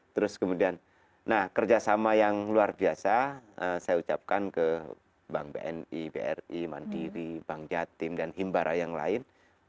terus kemudian nah kerjasama yang luar biasa saya ucapkan ke bank bni bri mandiri bank jatim dan himbara yang lain